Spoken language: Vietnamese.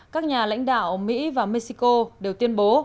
các nhà lãnh đạo mỹ và mexico đều tuyên bố